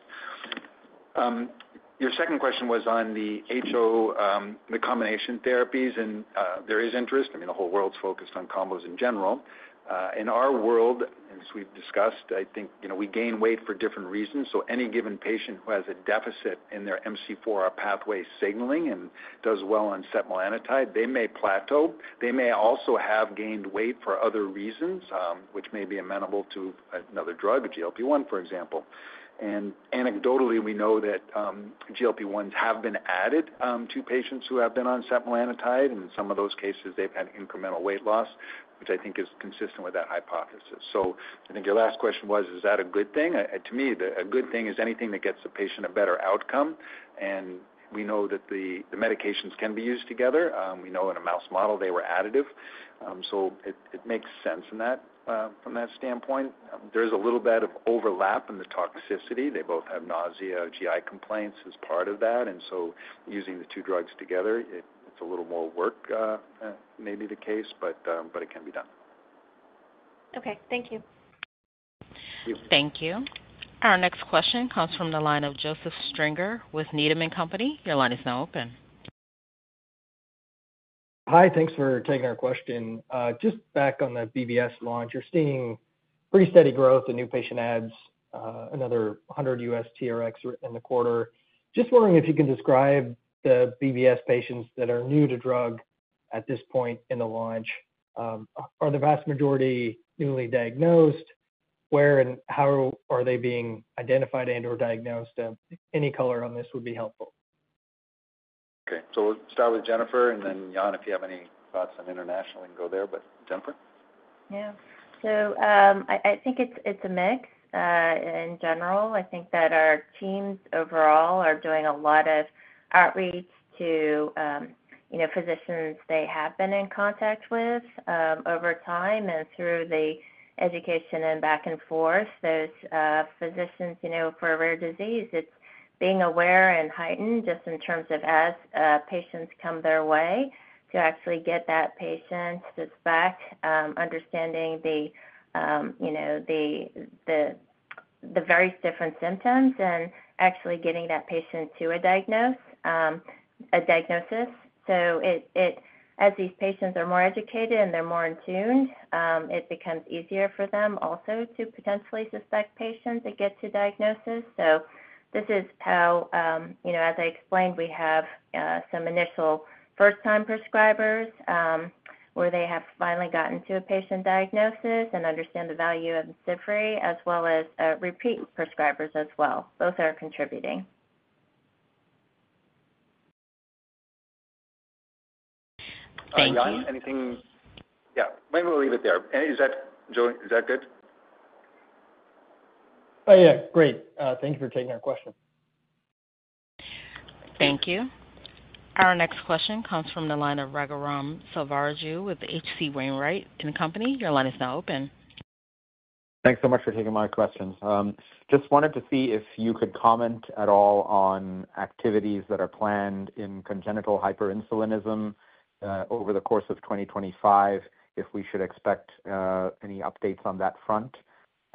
Your second question was on the HO, the combination therapies, and there is interest. I mean, the whole world's focused on combos in general. In our world, as we've discussed, I think we gain weight for different reasons. So any given patient who has a deficit in their MC4R pathway signaling and does well on setmelanotide, they may plateau. They may also have gained weight for other reasons, which may be amenable to another drug, GLP-1, for example. And anecdotally, we know that GLP-1s have been added to patients who have been on setmelanotide, and in some of those cases, they've had incremental weight loss, which I think is consistent with that hypothesis. So I think your last question was, is that a good thing? To me, a good thing is anything that gets the patient a better outcome. And we know that the medications can be used together. We know in a mouse model, they were additive. So it makes sense from that standpoint. There is a little bit of overlap in the toxicity. They both have nausea, GI complaints as part of that. And so using the two drugs together, it's a little more work, maybe the case, but it can be done. Okay. Thank you. Thank you. Our next question comes from the line of Joseph Stringer with Needham & Company. Your line is now open. Hi. Thanks for taking our question. Just back on the BBS launch, you're seeing pretty steady growth in new patient adds, another 100 US TRx in the quarter. Just wondering if you can describe the BBS patients that are new to drug at this point in the launch. Are the vast majority newly diagnosed? Where and how are they being identified and/or diagnosed? Any color on this would be helpful. Okay. So we'll start with Jennifer, and then Yann, if you have any thoughts on international, you can go there. But Jennifer? Yeah. So I think it's a mix in general. I think that our teams overall are doing a lot of outreach to physicians they have been in contact with over time and through the education and back and forth. There's physicians for rare disease. It's being aware and heightened just in terms of as patients come their way to actually get that patient's back, understanding the various different symptoms and actually getting that patient to a diagnosis. So as these patients are more educated and they're more in tune, it becomes easier for them also to potentially suspect patients that get to diagnosis. So this is how, as I explained, we have some initial first-time prescribers where they have finally gotten to a patient diagnosis and understand the value of Imcivree as well as repeat prescribers as well. Both are contributing. Thank you. Anything? Yeah. Maybe we'll leave it there. Is that good? Oh, yeah. Great. Thank you for taking our question. Thank you. Our next question comes from the line of Raghuram Selvaraju with H.C. Wainwright & Co. Your line is now open. Thanks so much for taking my questions. Just wanted to see if you could comment at all on activities that are planned in congenital hyperinsulinism over the course of 2025, if we should expect any updates on that front?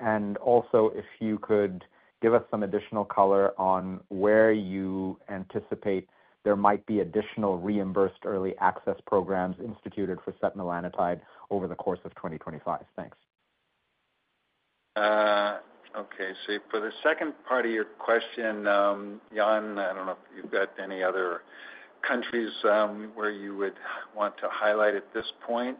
And also, if you could give us some additional color on where you anticipate there might be additional reimbursed early access programs instituted for setmelanotide over the course of 2025? Thanks. Okay. So for the second part of your question, Yann, I don't know if you've got any other countries where you would want to highlight at this point,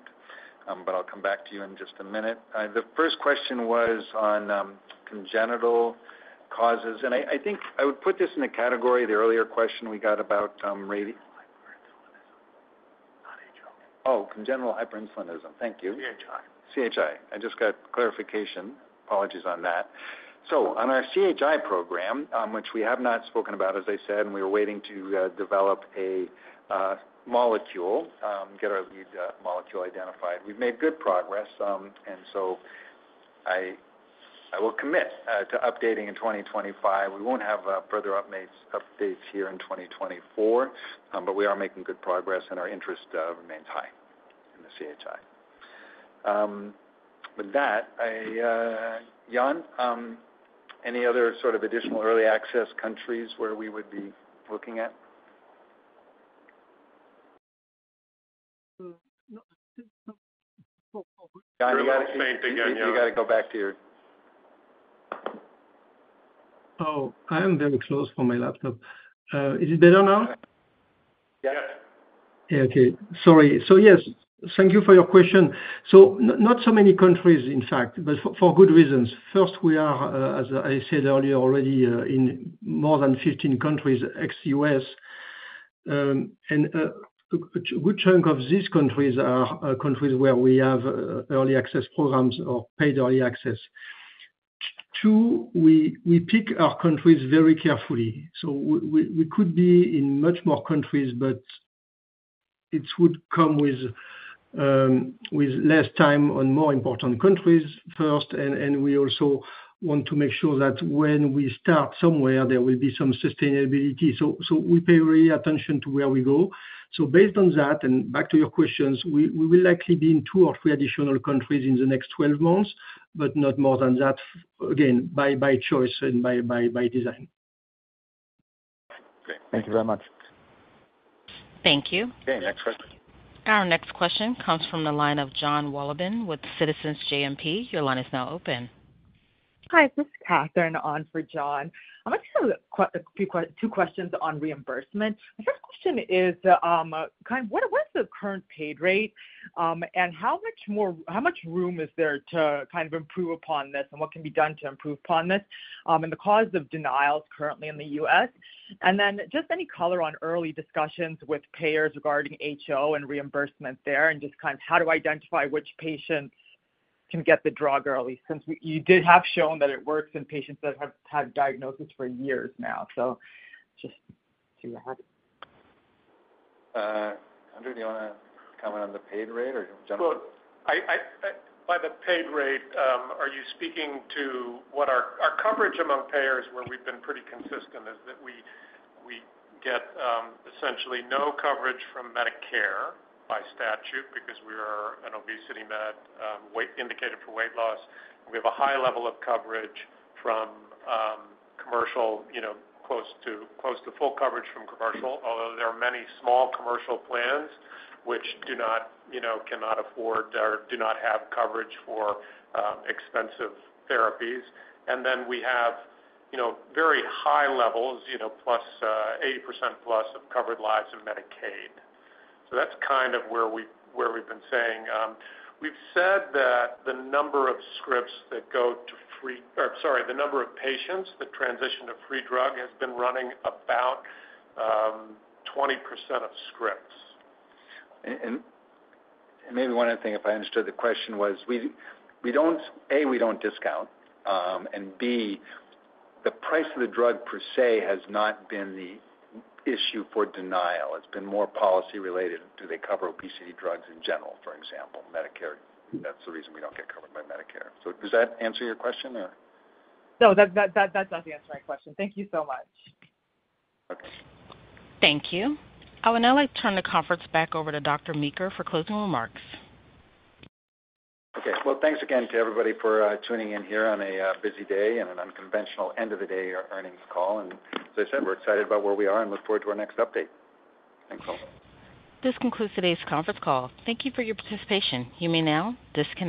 but I'll come back to you in just a minute. The first question was on congenital causes. And I think I would put this in the category, the earlier question we got about. Oh, congenital hyperinsulinism. Thank you. CHI. CHI. I just got clarification. Apologies on that. So on our CHI program, which we have not spoken about, as I said, and we were waiting to develop a molecule, get our lead molecule identified. We've made good progress. And so I will commit to updating in 2025. We won't have further updates here in 2024, but we are making good progress, and our interest remains high in the CHI. With that, Yann, any other sort of additional early access countries where we would be looking at? Yann, you got to go back to your. Oh, I am very close for my laptop. Is it better now? Yes. Okay. Sorry. So yes, thank you for your question. So not so many countries, in fact, but for good reasons. First, we are, as I said earlier, already in more than 15 countries, ex-US. And a good chunk of these countries are countries where we have early access programs or paid early access. Two, we pick our countries very carefully. So we could be in much more countries, but it would come with less time on more important countries first. And we also want to make sure that when we start somewhere, there will be some sustainability. So we pay really attention to where we go. So based on that, and back to your questions, we will likely be in two or three additional countries in the next 12 months, but not more than that, again, by choice and by design. Great. Thank you very much. Thank you. Okay. Next question. Our next question comes from the line of John Wolleben with Citizens JMP. Your line is now open. Hi. This is Catherine on for John. I'm going to ask a few questions on reimbursement. My first question is, kind of what's the current paid rate, and how much room is there to kind of improve upon this, and what can be done to improve upon this, and the cause of denials currently in the US, and then just any color on early discussions with payers regarding HO and reimbursement there, and just kind of how to identify which patients can get the drug early, since you did have shown that it works in patients that have had diagnosis for years now, so just see what happens. Andrew, do you want to comment on the paid rate or just general? By the paid rate, are you speaking to what our coverage among payers, where we've been pretty consistent, is that we get essentially no coverage from Medicare by statute because we are an obesity medication indicated for weight loss. We have a high level of coverage from commercial, close to full coverage from commercial, although there are many small commercial plans which cannot afford or do not have coverage for expensive therapies. And then we have very high levels, plus 80% plus of covered lives of Medicaid. So that's kind of where we've been saying. We've said that the number of scripts that go to free or sorry, the number of patients that transition to free drug has been running about 20% of scripts. And maybe one other thing, if I understood the question, was we don't A, we don't discount. And B, the price of the drug per se has not been the issue for denial. It's been more policy-related. Do they cover obesity drugs in general, for example? Medicare. That's the reason we don't get covered by Medicare. So does that answer your question, or? No, that does not answer my question. Thank you so much. Okay. Thank you. I would now like to turn the conference back over to Dr. Meeker for closing remarks. Okay, well, thanks again to everybody for tuning in here on a busy day and an unconventional end-of-the-day earnings call, and as I said, we're excited about where we are and look forward to our next update. Thanks, all. This concludes today's conference call. Thank you for your participation. You may now disconnect.